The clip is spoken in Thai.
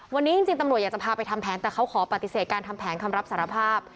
วันนี้จริงตำรวจอยากจะพาไปทำแผนแต่เขาขอปฏิเสธการทำแผนคำรับสารภาพ